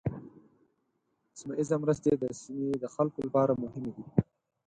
سیمه ایزه مرستې د سیمې د خلکو لپاره مهمې دي.